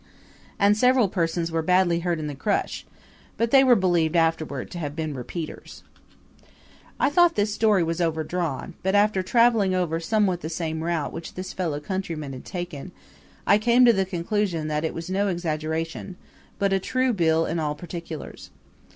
And several persons were badly hurt in the crush; but they were believed afterward to have been repeaters. I thought this story was overdrawn, but, after traveling over somewhat the same route which this fellow countryman had taken, I came to the conclusion that it was no exaggeration, but a true bill in all particulars.